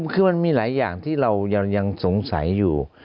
คือมันมีหลายอย่างที่เรายังสงสัยอยู่